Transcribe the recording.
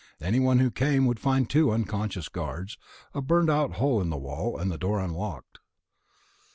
Anyone who came would find two unconscious guards, a burnt out hole in the wall, and the door unlocked.